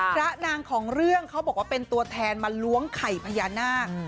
พระนางของเรื่องเขาบอกว่าเป็นตัวแทนมาล้วงไข่พญานาค